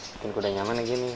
bikin kuda nyaman lagi nih